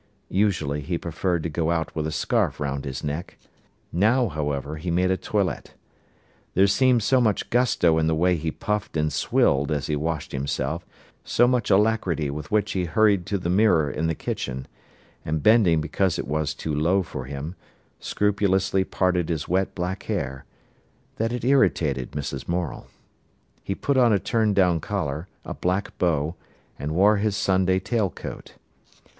Usually he preferred to go out with a scarf round his neck. Now, however, he made a toilet. There seemed so much gusto in the way he puffed and swilled as he washed himself, so much alacrity with which he hurried to the mirror in the kitchen, and, bending because it was too low for him, scrupulously parted his wet black hair, that it irritated Mrs. Morel. He put on a turn down collar, a black bow, and wore his Sunday tail coat.